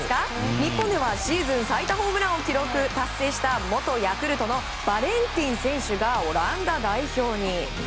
日本ではシーズン最多ホームランを達成した元ヤクルトのバレンティン選手がオランダ代表に。